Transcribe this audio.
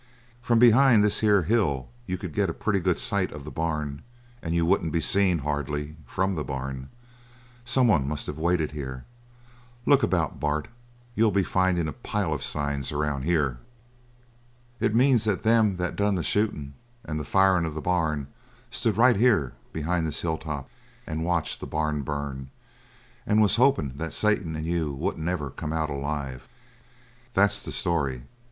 "From behind this here hill you could get a pretty good sight of the barn and you wouldn't be seen, hardly, from the barn. Someone must have waited here. Look about, Bart, you'll be findin' a pile of signs, around here. It means that them that done the shootin' and the firin' of the barn stood right here behind this hill top and watched the barn burn and was hopin' that Satan and you wouldn't ever come out alive. That's the story."